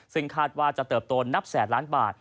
ซึ่งคาดว่าจะเติบโตนับแสนล้านบาท